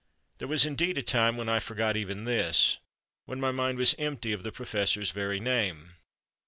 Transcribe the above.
There was, indeed, a time when I forgot even this—when my mind was empty of the professor's very name.